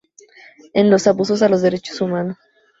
En los abusos a los derechos humanos.